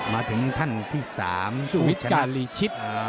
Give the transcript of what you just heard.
มาถึงท่านที่๓สุวิทกาลีชิต